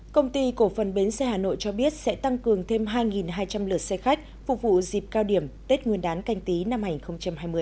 công ty cổ phần bến xe hà nội cho biết sẽ tăng cường thêm hai hai trăm linh lượt xe khách phục vụ dịp cao điểm tết nguyên đán canh tí năm hai nghìn hai mươi